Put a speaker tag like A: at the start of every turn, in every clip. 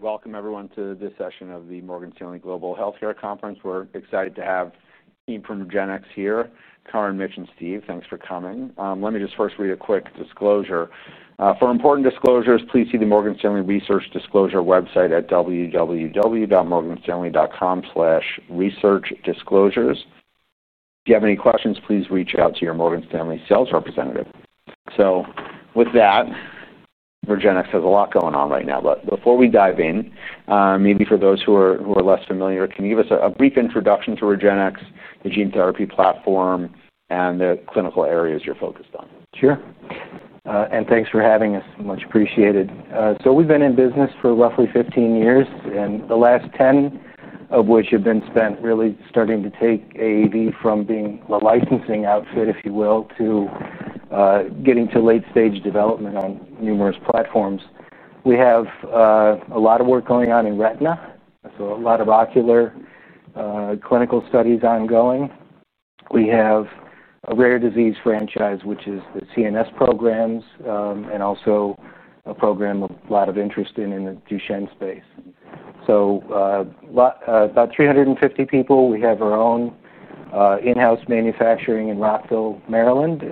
A: Welcome, everyone, to this session of the Morgan Stanley Global Healthcare Conference. We're excited to have the team from REGENXBIO Inc. here. Curran, Mitch, and Steve, thanks for coming. Let me just first read a quick disclosure. For important disclosures, please see the Morgan Stanley Research Disclosure website at www.morganstanley.com/researchdisclosures. If you have any questions, please reach out to your Morgan Stanley sales representative. With that, REGENXBIO has a lot going on right now. Before we dive in, maybe for those who are less familiar, can you give us a brief introduction to REGENXBIO, the gene therapy platform, and the clinical areas you're focused on?
B: Sure. Thanks for having us. Much appreciated. We've been in business for roughly 15 years, the last 10 of which have been spent really starting to take AAV from being the licensing outfit, if you will, to getting to late-stage development on numerous platforms. We have a lot of work going on in retina, so a lot of ocular clinical studies ongoing. We have a rare disease franchise, which is the CNS programs, and also a program with a lot of interest in the Duchenne space. We have about 350 people. We have our own in-house manufacturing in Rockville, Maryland.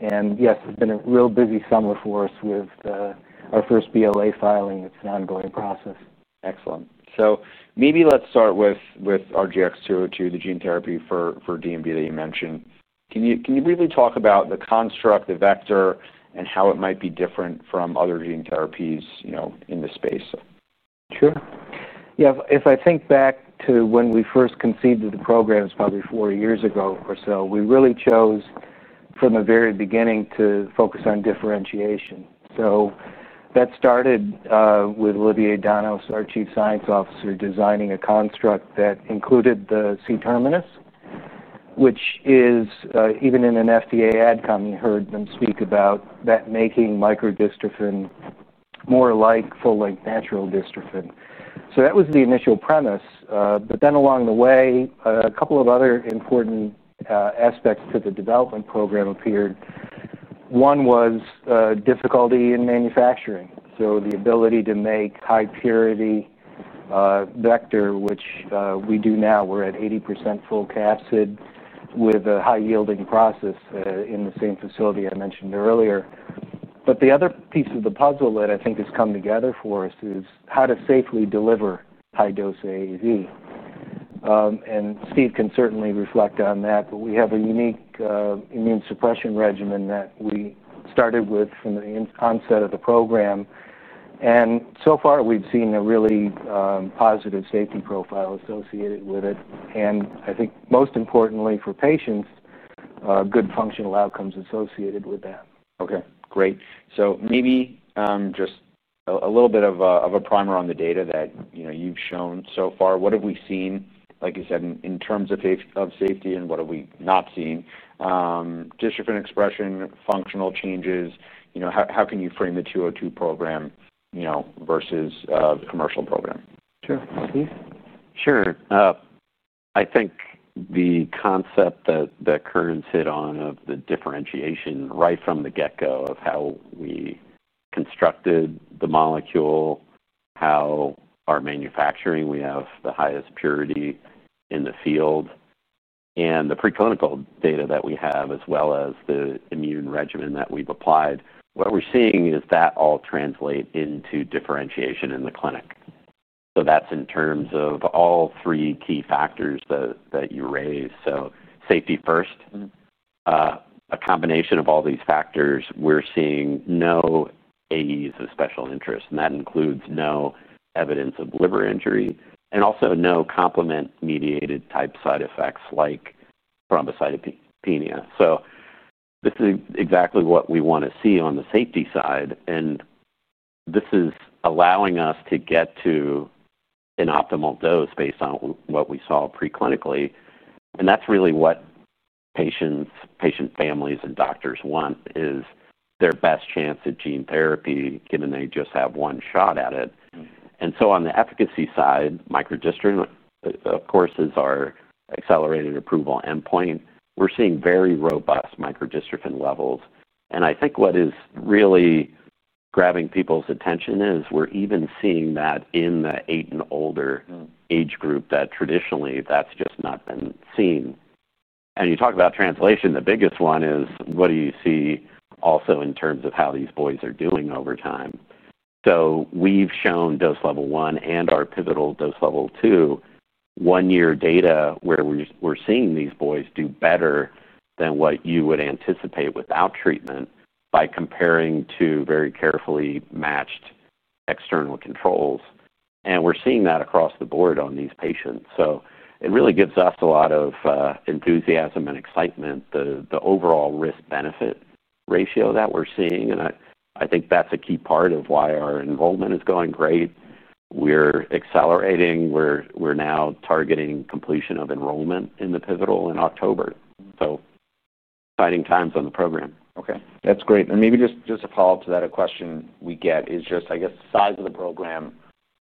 B: It's been a real busy summer for us with our first BLA filing. It's an ongoing process.
A: Excellent. Maybe let's start with RGX-202, the gene therapy for DMD that you mentioned. Can you briefly talk about the construct, the vector, and how it might be different from other gene therapies, you know, in this space?
B: Sure. Yeah, if I think back to when we first conceived of the program, it's probably four years ago or so. We really chose, from the very beginning, to focus on differentiation. That started with Olivier Danos, our Chief Scientific Officer, designing a construct that included the C-terminus, which is even in an FDA ad com, you heard them speak about that making microdystrophin more like full-length natural dystrophin. That was the initial premise. Along the way, a couple of other important aspects to the development program appeared. One was difficulty in manufacturing. The ability to make high-purity vector, which we do now, we're at 80% full capsid with a high-yielding process in the same facility I mentioned earlier. The other piece of the puzzle that I think has come together for us is how to safely deliver high-dose AAV. Steve can certainly reflect on that. We have a unique immune suppression regimen that we started with from the onset of the program. So far, we've seen a really positive safety profile associated with it. I think, most importantly for patients, good functional outcomes associated with that.
A: Okay, great. Maybe just a little bit of a primer on the data that you've shown so far. What have we seen, like you said, in terms of safety, and what have we not seen? Dystrophin expression, functional changes, you know, how can you frame the RGX-202 program, you know, versus a commercial program?
B: Sure. Steve?
C: Sure. I think the concept that Curran's hit on of the differentiation right from the get-go of how we constructed the molecule, how our manufacturing, we have the highest purity in the field, and the preclinical data that we have, as well as the immune regimen that we've applied. What we're seeing is that all translate into differentiation in the clinic. That's in terms of all three key factors that you raised. Safety first. A combination of all these factors, we're seeing no AEs of special interest. That includes no evidence of liver injury and also no complement-mediated type side effects like thrombocytopenia. This is exactly what we want to see on the safety side. This is allowing us to get to an optimal dose based on what we saw preclinically. That's really what patients, patient families, and doctors want, is their best chance at gene therapy, given they just have one shot at it. On the efficacy side, microdystrophin, of course, is our accelerated approval endpoint. We're seeing very robust microdystrophin levels. I think what is really grabbing people's attention is we're even seeing that in the eight and older age group that traditionally, that's just not been seen. You talk about translation. The biggest one is, what do you see also in terms of how these boys are doing over time? We've shown dose level one and our pivotal dose level two, one-year data where we're seeing these boys do better than what you would anticipate without treatment by comparing to very carefully matched external controls. We're seeing that across the board on these patients. It really gives us a lot of enthusiasm and excitement, the overall risk-benefit ratio that we're seeing. I think that's a key part of why our enrollment is going great. We're accelerating. We're now targeting completion of enrollment in the pivotal in October. Exciting times on the program.
A: Okay, that's great. Maybe just a follow-up to that. A question we get is just, I guess, the size of the program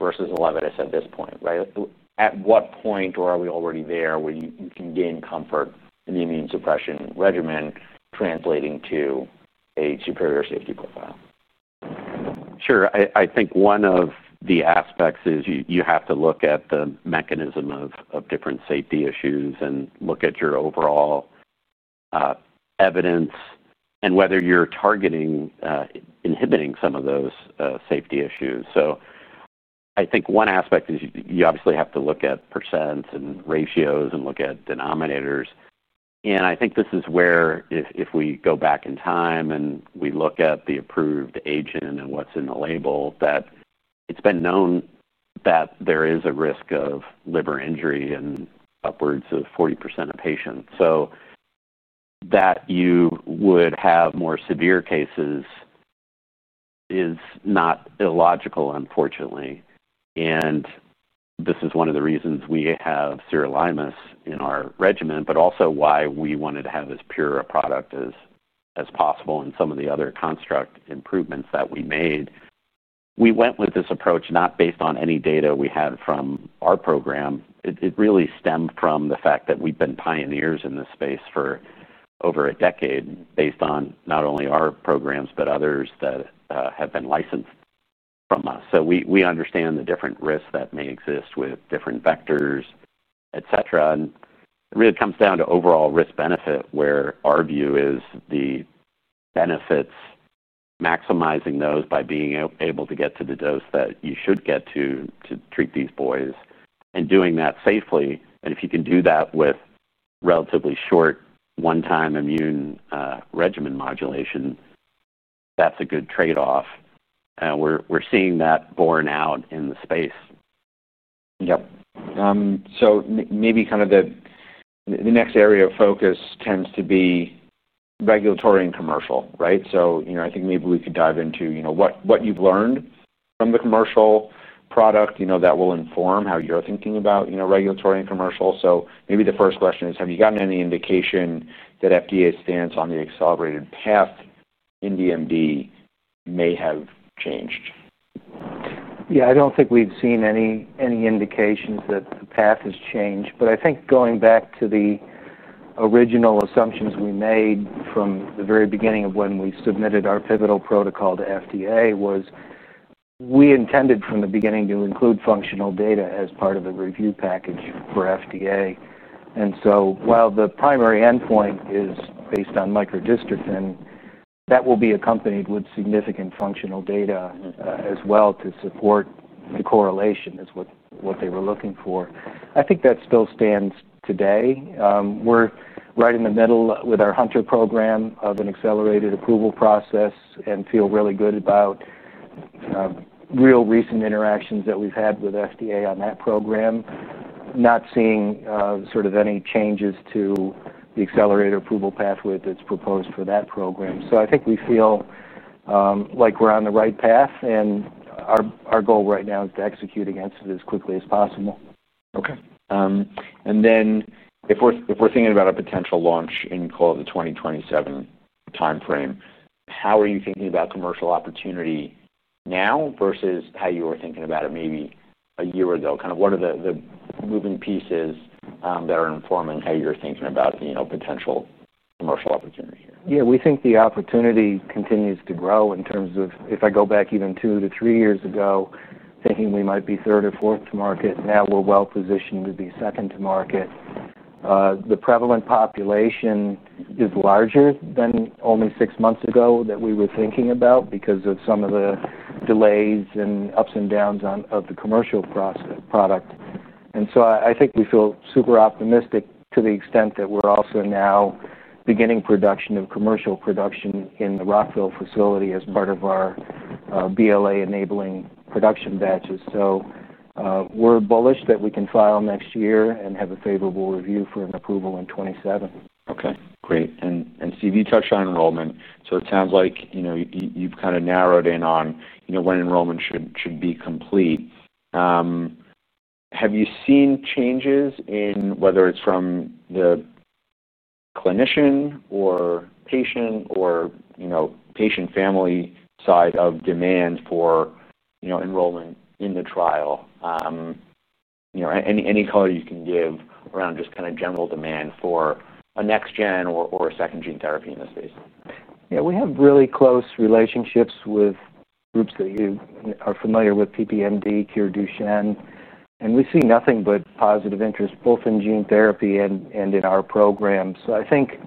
A: versus the levitus at this point, right? At what point are we already there where you can gain comfort in the immune suppression regimen translating to a superior safety profile?
C: Sure. I think one of the aspects is you have to look at the mechanism of different safety issues and look at your overall evidence and whether you're targeting, inhibiting some of those safety issues. I think one aspect is you obviously have to look at %s and ratios and look at denominators. I think this is where, if we go back in time and we look at the approved agent and what's in the label, that it's been known that there is a risk of liver injury in upwards of 40% of patients. That you would have more severe cases is not illogical, unfortunately. This is one of the reasons we have sirolimus in our regimen, but also why we wanted to have as pure a product as possible in some of the other construct improvements that we made. We went with this approach not based on any data we had from our program. It really stemmed from the fact that we've been pioneers in this space for over a decade based on not only our programs but others that have been licensed from us. We understand the different risks that may exist with different vectors, etc. It really comes down to overall risk-benefit, where our view is the benefits, maximizing those by being able to get to the dose that you should get to to treat these boys and doing that safely. If you can do that with relatively short one-time immune regimen modulation, that's a good trade-off. We're seeing that borne out in the space.
A: Maybe the next area of focus tends to be regulatory and commercial, right? I think maybe we could dive into what you've learned from the commercial product that will inform how you're thinking about regulatory and commercial. Maybe the first question is, have you gotten any indication that FDA's stance on the accelerated path in DMD may have changed?
B: Yeah, I don't think we've seen any indications that the path has changed. I think going back to the original assumptions we made from the very beginning of when we submitted our pivotal protocol to FDA, we intended from the beginning to include functional data as part of the review package for FDA. While the primary endpoint is based on microdystrophin, that will be accompanied with significant functional data as well to support the correlation, which is what they were looking for. I think that still stands today. We're right in the middle with our Hunter syndrome program of an accelerated approval process and feel really good about real recent interactions that we've had with FDA on that program, not seeing any changes to the accelerated approval pathway that's proposed for that program. I think we feel like we're on the right path, and our goal right now is to execute against it as quickly as possible.
A: Okay. If we're thinking about a potential launch in, call it, the 2027 timeframe, how are you thinking about commercial opportunity now versus how you were thinking about it maybe a year ago? What are the moving pieces that are informing how you're thinking about, you know, potential commercial opportunity here?
B: Yeah, we think the opportunity continues to grow in terms of, if I go back even two to three years ago, thinking we might be third or fourth to market. Now we're well positioned to be second to market. The prevalent population is larger than only six months ago that we were thinking about because of some of the delays and ups and downs of the commercial product. I think we feel super optimistic to the extent that we're also now beginning production of commercial production in the Rockville, Maryland facility as part of our BLA-enabling production batches. We're bullish that we can file next year and have a favorable review for an approval in 2027.
A: Okay, great. Steve, you touched on enrollment. It sounds like you've kind of narrowed in on when enrollment should be complete. Have you seen changes in whether it's from the clinician or patient or patient-family side of demand for enrollment in the trial? Any color you can give around just kind of general demand for a next-gen or a second gene therapy in this space?
B: Yeah, we have really close relationships with groups that you are familiar with, PPMD, CureDuchenne. We see nothing but positive interest both in gene therapy and in our program. I think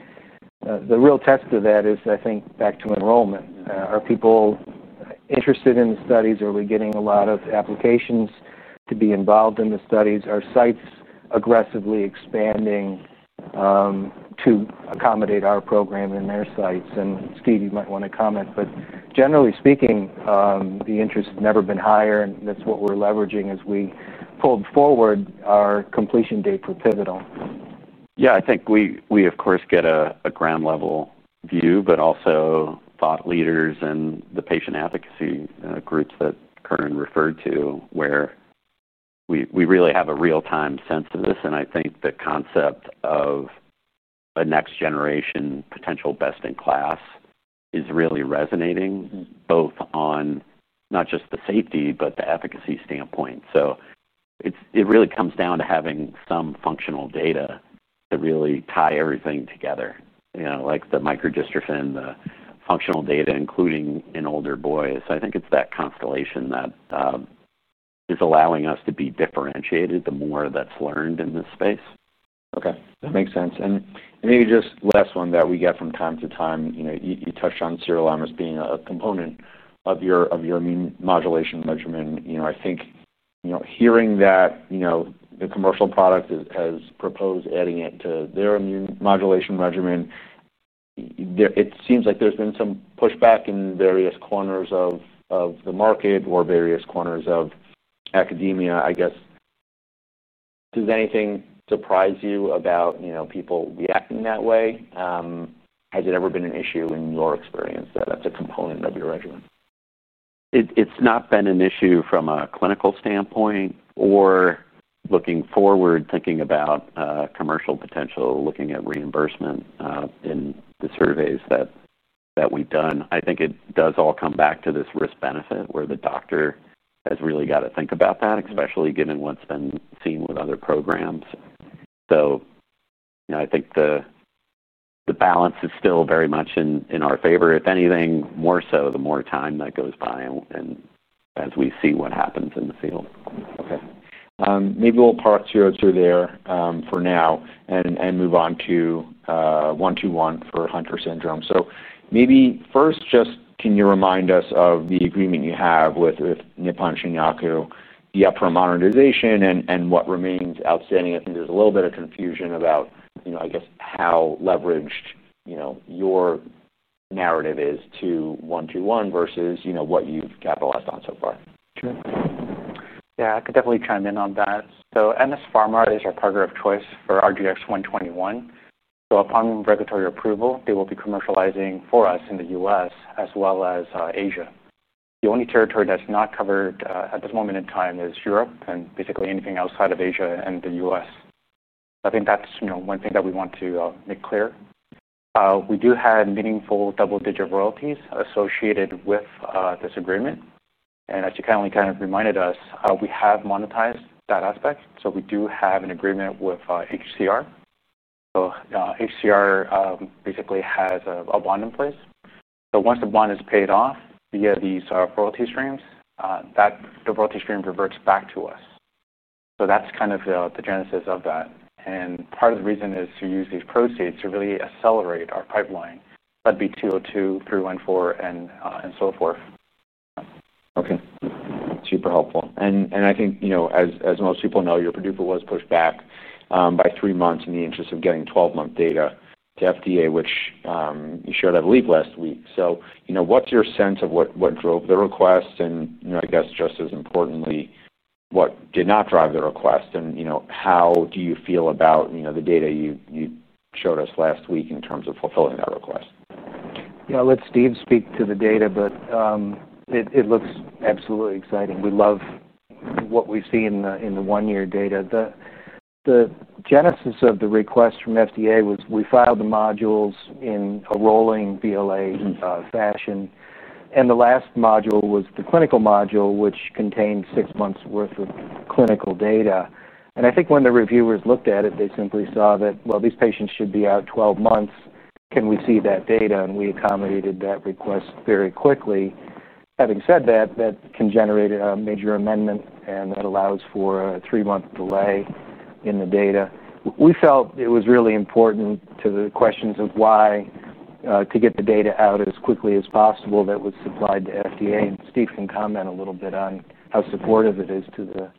B: the real test of that is, I think, back to enrollment. Are people interested in the studies? Are we getting a lot of applications to be involved in the studies? Are sites aggressively expanding to accommodate our program in their sites? Steve, you might want to comment. Generally speaking, the interest has never been higher. That's what we're leveraging as we pull forward our completion date for pivotal.
C: Yeah, I think we, of course, get a granular level view, but also thought leaders and the patient advocacy groups that Curran referred to, where we really have a real-time sense of this. I think the concept of a next-generation potential best-in-class is really resonating both on not just the safety, but the efficacy standpoint. It really comes down to having some functional data to really tie everything together, you know, like the microdystrophin, the functional data, including in older boys. I think it's that constellation that is allowing us to be differentiated the more that's learned in this space.
A: Okay, that makes sense. Maybe just last one that we get from time to time, you touched on sirolimus being a component of your immune modulation regimen. I think, hearing that the commercial product has proposed adding it to their immune modulation regimen, it seems like there's been some pushback in various corners of the market or various corners of academia, I guess. Does anything surprise you about people reacting that way? Has it ever been an issue in your experience that that's a component of your regimen?
C: It's not been an issue from a clinical standpoint or looking forward, thinking about commercial potential, looking at reimbursement in the surveys that we've done. I think it does all come back to this risk-benefit where the doctor has really got to think about that, especially given what's been seen with other programs. I think the balance is still very much in our favor, if anything, more so the more time that goes by and as we see what happens in the field.
A: Okay. Maybe we'll park you through there for now and move on to 121 for Hunter syndrome. Maybe first, just can you remind us of the agreement you have with Nippon Shinyaku, the upfront monetization, and what remains outstanding? I think there's a little bit of confusion about, you know, I guess, how leveraged, you know, your narrative is to 121 versus, you know, what you've capitalized on so far.
D: Sure. Yeah, I can definitely chime in on that. MS Pharma is our partner of choice for RGX-121. Upon regulatory approval, they will be commercializing for us in the U.S. as well as Asia. The only territory that's not covered at this moment in time is Europe and basically anything outside of Asia and the U.S. I think that's one thing that we want to make clear. We do have meaningful double-digit royalties associated with this agreement. As you kind of reminded us, we have monetized that aspect. We do have an agreement with HCR. HCR basically has a bond in place. Once the bond is paid off via these royalty streams, the royalty stream reverts back to us. That's kind of the genesis of that. Part of the reason is to use these proceeds to really accelerate our pipeline, that'd be 202, 314, and so forth.
A: Okay, super helpful. I think, you know, as most people know, your approval was pushed back by three months in the interest of getting 12-month data to the FDA, which you showed a week last week. What's your sense of what drove the request? I guess just as importantly, what did not drive the request? How do you feel about the data you showed us last week in terms of fulfilling that request?
B: Yeah, let Steve speak to the data, but it looks absolutely exciting. We love what we see in the one-year data. The genesis of the request from FDA was we filed the modules in a rolling BLA fashion. The last module was the clinical module, which contained six months' worth of clinical data. I think when the reviewers looked at it, they simply saw that these patients should be out 12 months. Can we see that data? We accommodated that request very quickly. Having said that, that can generate a major amendment, and that allows for a three-month delay in the data. We felt it was really important to the questions of why to get the data out as quickly as possible that was supplied to FDA. Steve can comment a little bit on how supportive it is to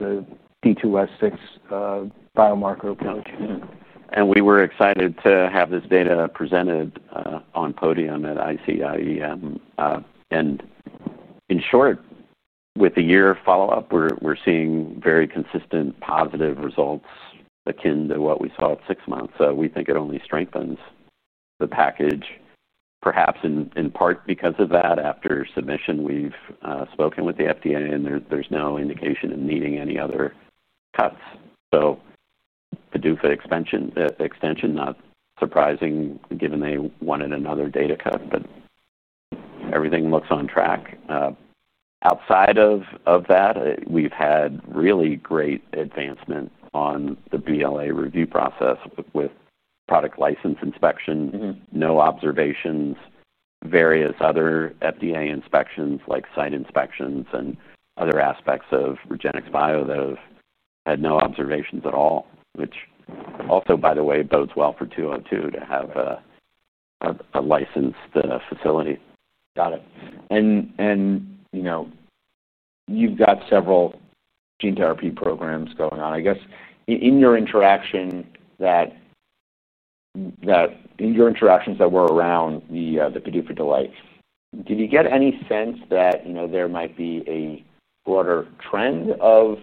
B: the D2S6 biomarker approach.
C: We were excited to have this data presented on podium at ICIEM. In short, with a year follow-up, we're seeing very consistent positive results akin to what we saw at six months. We think it only strengthens the package, perhaps in part because of that. After submission, we've spoken with the FDA, and there's no indication of needing any other cuts. The DUFA extension is not surprising given they wanted another data cut, but everything looks on track. Outside of that, we've had really great advancement on the BLA review process with product license inspection, no observations, various other FDA inspections like site inspections and other aspects of REGENXBIO Inc. that have had no observations at all, which also, by the way, bodes well for 202 to have a licensed facility.
A: Got it. You've got several gene therapy programs going on. In your interaction that were around the PDUFA delay, did you get any sense that there might be a broader trend of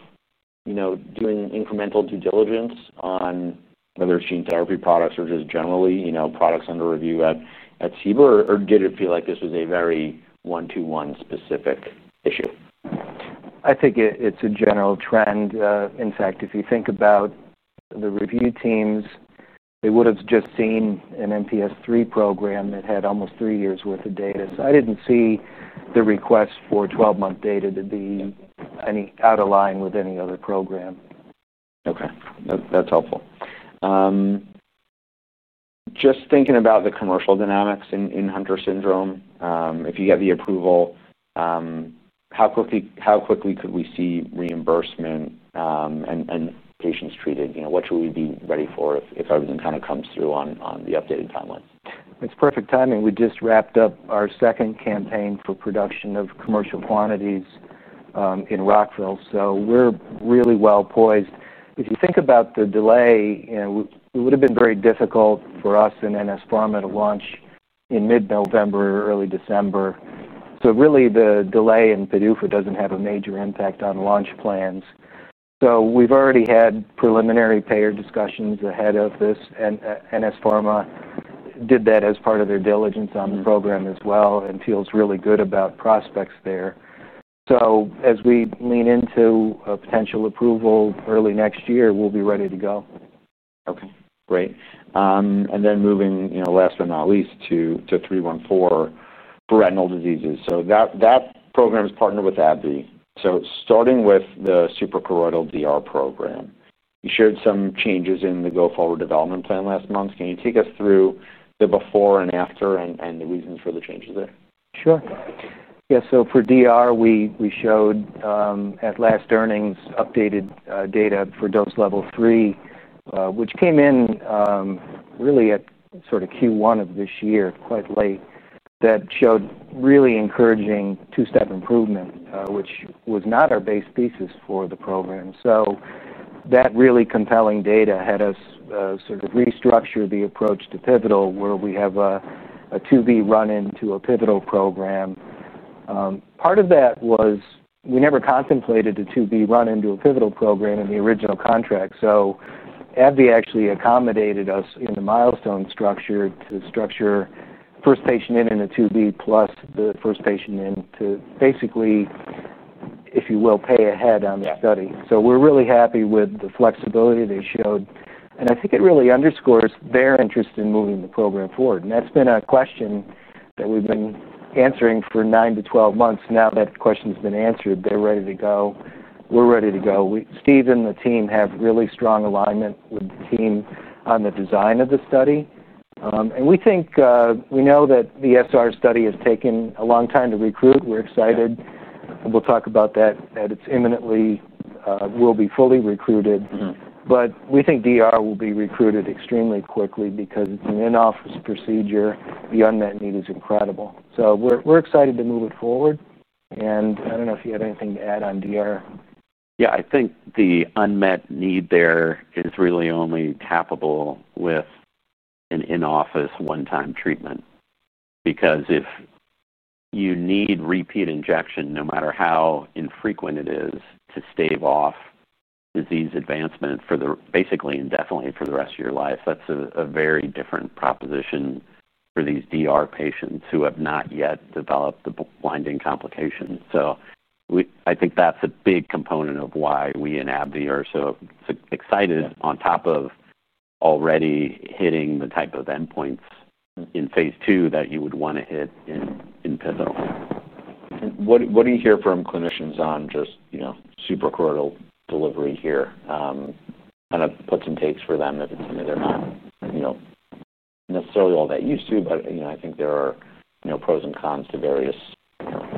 A: doing incremental due diligence on whether it's gene therapy products or just generally products under review at CBER? Did it feel like this was a very RGX-121 specific issue?
B: I think it's a general trend. In fact, if you think about the review teams, they would have just seen an MPS3 program that had almost three years' worth of data. I didn't see the request for 12-month data to be out of line with any other program.
A: Okay, that's helpful. Just thinking about the commercial dynamics in Hunter syndrome, if you get the approval, how quickly could we see reimbursement and patients treated? What should we be ready for if everything kind of comes through on the updated timelines?
B: It's perfect timing. We just wrapped up our second campaign for production of commercial quantities in Rockville, Maryland. We're really well poised. If you think about the delay, it would have been very difficult for us and MS Pharma to launch in mid-November or early December. The delay in PDUFA doesn't have a major impact on launch plans. We've already had preliminary payer discussions ahead of this. MS Pharma did that as part of their diligence on the program as well and feels really good about prospects there. As we lean into a potential approval early next year, we'll be ready to go.
A: Okay, great. Moving, last but not least, to 314 for retinal diseases. That program is partnered with AbbVie. Starting with the suprachoroidal DR program, you shared some changes in the go-forward development plan last month. Can you take us through the before and after and the reasons for the changes there?
B: Sure. Yeah, so for DR, we showed at last earnings updated data for dose level three, which came in really at sort of Q1 of this year, quite late, that showed really encouraging two-step improvement, which was not our base thesis for the program. That really compelling data had us sort of restructure the approach to pivotal, where we have a 2B run into a pivotal program. Part of that was we never contemplated a 2B run into a pivotal program in the original contract. AbbVie actually accommodated us in the milestone structure to structure first patient in and a 2B plus the first patient in to basically, if you will, pay ahead on the study. We're really happy with the flexibility they showed. I think it really underscores their interest in moving the program forward. That's been a question that we've been answering for nine to 12 months. Now that the question's been answered, they're ready to go. We're ready to go. Steve and the team have really strong alignment with the team on the design of the study. We think we know that the SR study has taken a long time to recruit. We're excited. We'll talk about that as it's imminently. We'll be fully recruited. We think DR will be recruited extremely quickly because it's an in-office procedure. The unmet need is incredible. We're excited to move it forward. I don't know if you have anything to add on DR.
C: Yeah, I think the unmet need there is really only tappable with an in-office one-time treatment. Because if you need repeat injection, no matter how infrequent it is, to stave off disease advancement for basically indefinitely for the rest of your life, that's a very different proposition for these DR patients who have not yet developed the blinding complication. I think that's a big component of why we in AbbVie are so excited on top of already hitting the type of endpoints in phase two that you would want to hit in pivotal.
A: What do you hear from clinicians on just, you know, superchoroidal delivery here? Kind of puts in takes for them that they're not, you know, necessarily all that used to. I think there are, you know, pros and cons to various delivery mechanisms here.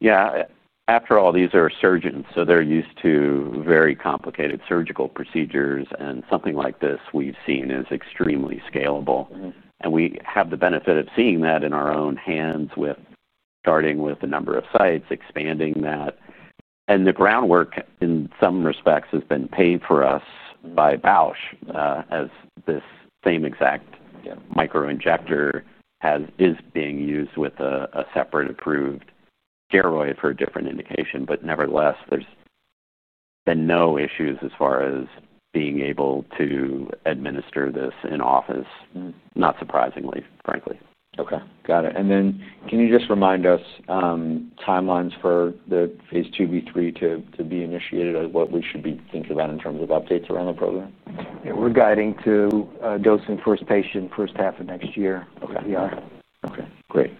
C: Yeah, after all, these are surgeons. They're used to very complicated surgical procedures. Something like this we've seen is extremely scalable. We have the benefit of seeing that in our own hands with starting with the number of sites, expanding that. The groundwork in some respects has been paid for us by Bausch as this same exact microinjector is being used with a separate approved steroid for a different indication. Nevertheless, there's been no issues as far as being able to administer this in office, not surprisingly, frankly.
A: Okay, got it. Can you just remind us timelines for the Phase II V3 to be initiated? What we should be thinking about in terms of updates around the program?
B: We're guiding to dosing first patient first half of next year with DR.
A: Okay, great.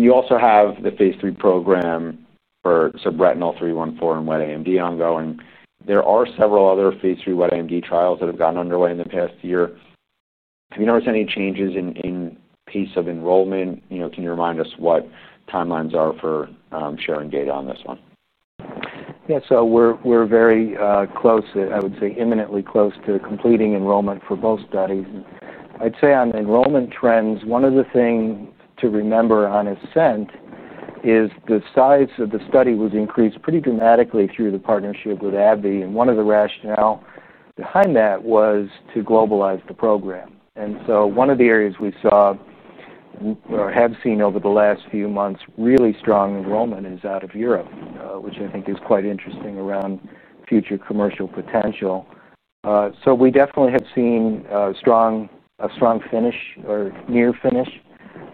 A: You also have the Phase III program for subretinal ABBV-RGX-314 in wet AMD ongoing. There are several other Phase III wet AMD trials that have gotten underway in the past year. Have you noticed any changes in pace of enrollment? Can you remind us what timelines are for sharing data on this one?
B: Yeah, so we're very close, I would say imminently close to completing enrollment for both studies. I'd say on the enrollment trends, one of the things to remember on ASCENT is the size of the study was increased pretty dramatically through the partnership with AbbVie. One of the rationale behind that was to globalize the program. One of the areas we saw or have seen over the last few months, really strong enrollment is out of Europe, which I think is quite interesting around future commercial potential. We definitely have seen a strong finish or near finish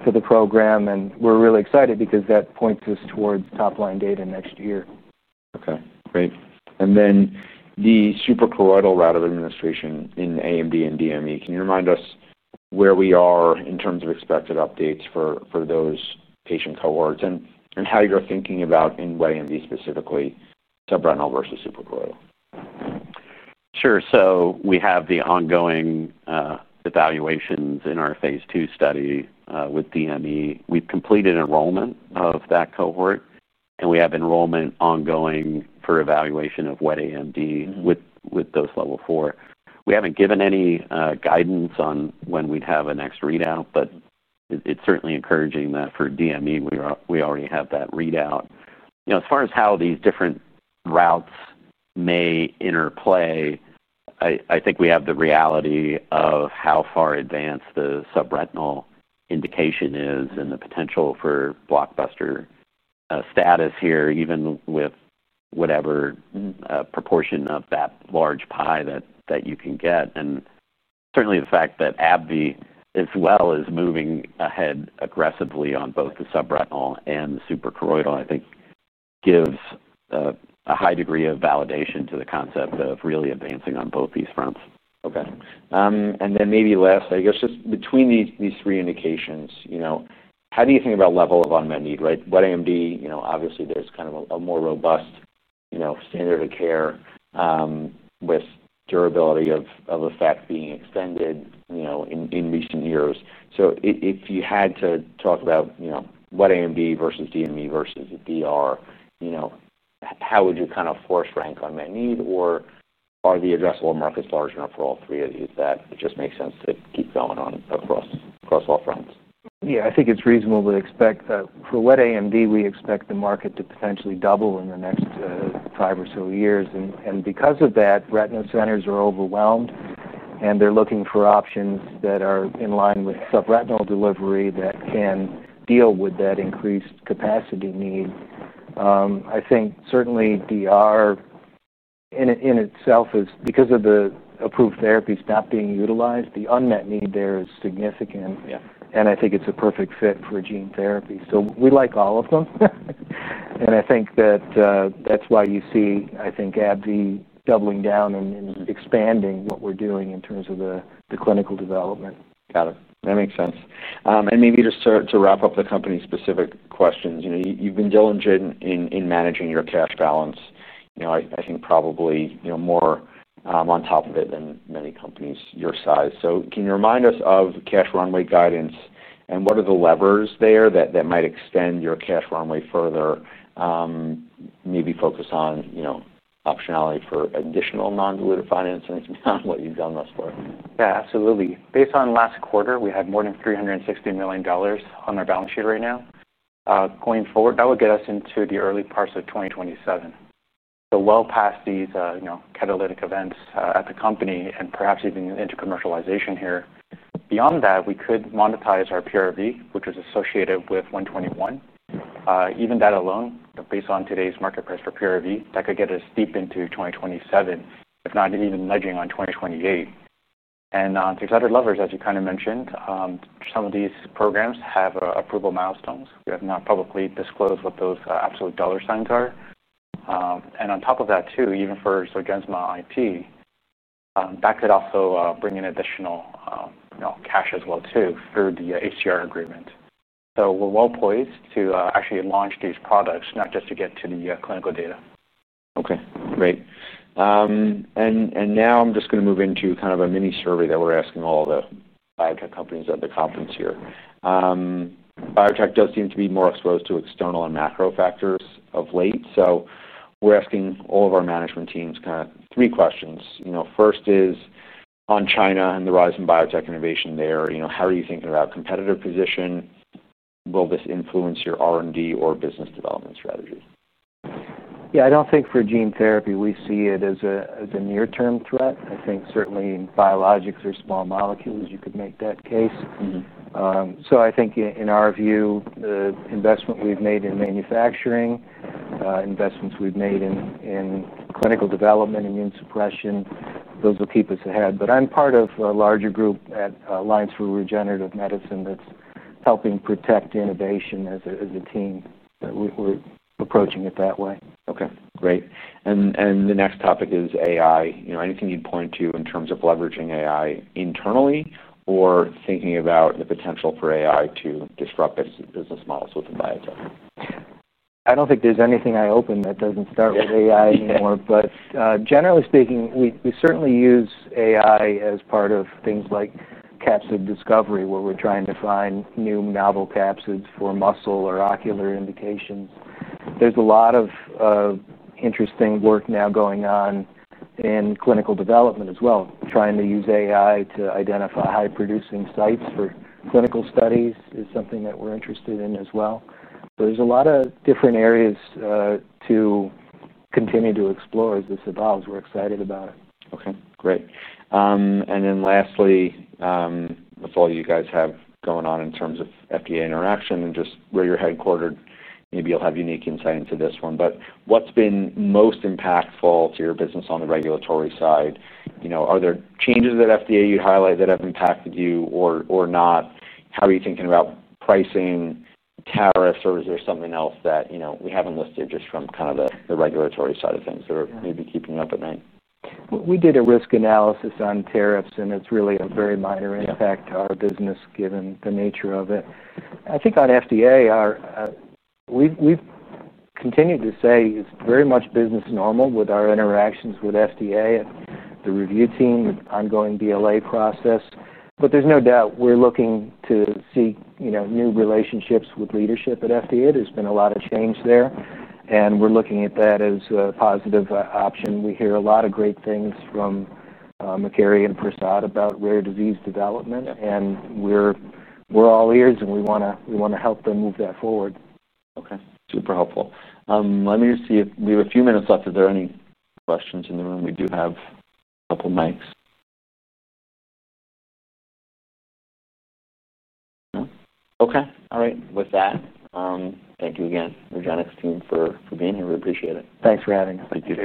B: for the program. We're really excited because that points us towards top-line data next year.
A: Okay, great. The superchoroidal route of administration in AMD and DME, can you remind us where we are in terms of expected updates for those patient cohorts and how you're thinking about in wet AMD specifically, subretinal versus superchoroidal?
C: Sure. We have the ongoing evaluations in our phase two study with DME. We've completed enrollment of that cohort, and we have enrollment ongoing for evaluation of wet AMD with dose level four. We haven't given any guidance on when we'd have a next readout, but it's certainly encouraging that for DME, we already have that readout. As far as how these different routes may interplay, I think we have the reality of how far advanced the subretinal indication is and the potential for blockbuster status here, even with whatever proportion of that large pie that you can get. The fact that AbbVie as well is moving ahead aggressively on both the subretinal and the superchoroidal, I think gives a high degree of validation to the concept of really advancing on both these fronts.
A: Okay. Maybe last, just between these three indications, how do you think about level of unmet need, right? Wet AMD, obviously, there's kind of a more robust standard of care with durability of effects being extended in recent years. If you had to talk about wet AMD versus DME versus DR, how would you kind of force rank unmet need? Are the addressable markets large enough for all three of you that it just makes sense to keep going on across all fronts?
B: Yeah, I think it's reasonable to expect for wet AMD, we expect the market to potentially double in the next five or so years. Because of that, retina centers are overwhelmed, and they're looking for options that are in line with subretinal delivery that can deal with that increased capacity need. I think certainly DR in itself is, because of the approved therapies not being utilized, the unmet need there is significant. I think it's a perfect fit for gene therapy. We like all of them, and I think that that's why you see, I think, AbbVie doubling down and expanding what we're doing in terms of the clinical development.
A: Got it. That makes sense. Maybe just to wrap up the company-specific questions, you've been diligent in managing your cash balance. I think probably more on top of it than many companies your size. Can you remind us of cash runway guidance? What are the levers there that might extend your cash runway further? Maybe focus on optionality for additional non-dilutive financing beyond what you've done thus far?
D: Yeah, absolutely. Based on last quarter, we had more than $360 million on our balance sheet right now. Going forward, that would get us into the early parts of 2027, well past these, you know, catalytic events at the company and perhaps even into commercialization here. Beyond that, we could monetize our PRV, which was associated with RGX-121. Even that alone, based on today's market price for PRV, that could get us deep into 2027, if not even nudging on 2028. On taxidermy levers, as you kind of mentioned, some of these programs have approval milestones. We have not publicly disclosed what those absolute dollar signs are. On top of that, too, even for Zolgensma IP, that could also bring in additional cash as well, too, through the HCR agreement. We're well poised to actually launch these products, not just to get to the clinical data.
A: Okay, great. I'm just going to move into kind of a mini survey that we're asking all the biotech companies at the conference here. Biotech does seem to be more exposed to external and macro factors of late. We're asking all of our management teams kind of three questions. The first is on China and the rise in biotech innovation there. How are you thinking about competitive position? Will this influence your R&D or business development strategy?
B: Yeah, I don't think for gene therapy, we see it as a near-term threat. I think certainly biologics or small molecules, you could make that case. In our view, the investment we've made in manufacturing, investments we've made in clinical development, immune suppression, those will keep us ahead. I'm part of a larger group at Alliance for Regenerative Medicine that's helping protect innovation as a team. We're approaching it that way.
A: Okay, great. The next topic is AI. You know, anything you'd point to in terms of leveraging AI internally or thinking about the potential for AI to disrupt its business models within biotech?
B: I don't think there's anything I open that doesn't start with AI anymore. Generally speaking, we certainly use AI as part of things like capsid discovery, where we're trying to find new novel capsids for muscle or ocular indications. There's a lot of interesting work now going on in clinical development as well. Trying to use AI to identify high-producing sites for clinical studies is something that we're interested in as well. There's a lot of different areas to continue to explore as this evolves. We're excited about it.
A: Okay, great. Lastly, with all you guys have going on in terms of FDA interaction and just where you're headquartered, maybe you'll have unique insight into this one. What's been most impactful to your business on the regulatory side? Are there changes that FDA you'd highlight that have impacted you or not? How are you thinking about pricing, tariffs, or is there something else that we haven't listed just from kind of the regulatory side of things that are maybe keeping you up at night?
B: We did a risk analysis on tariffs, and it's really a very minor impact to our business given the nature of it. I think on FDA, we've continued to say it's very much business normal with our interactions with FDA, the review team, the ongoing BLA process. There's no doubt we're looking to see new relationships with leadership at FDA. There's been a lot of change there, and we're looking at that as a positive option. We hear a lot of great things from McCary and Prasad about rare disease development. We're all ears, and we want to help them move that forward.
A: Okay, super helpful. Let me just see if we have a few minutes left. If there are any questions in the room, we do have a couple of mics. No? Okay. All right. With that, thank you again, REGENXBIO team, for being here. We appreciate it.
B: Thanks for having us.
C: Thank you.